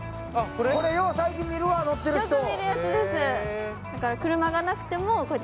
これ、よう最近見るわ、乗ってる人。